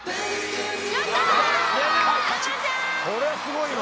「これはすごいわ」